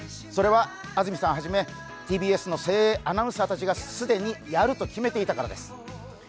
それは、安住さんはじめＴＢＳの精鋭アナウンサーたちが既に、やると決めていたからです。